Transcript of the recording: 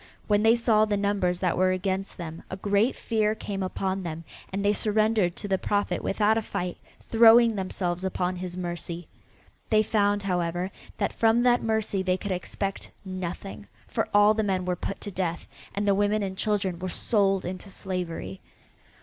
When they saw the numbers that were against them a great fear came upon them and they surrendered to the Prophet without a fight, throwing themselves upon his mercy. They found, however, that from that mercy they could expect nothing, for all the men were put to death, and the women and children were sold into slavery.